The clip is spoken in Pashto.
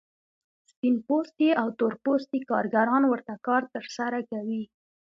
سپین پوستي او تور پوستي کارګران ورته کار ترسره کوي